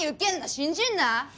信じんな！